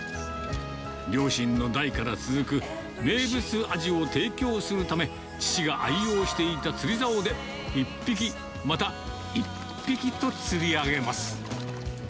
両親の代から続く名物アジを提供するため、父が愛用していた釣りざおで、一匹、また一匹と釣り上げます。